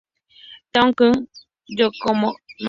Takayuki Yokoyama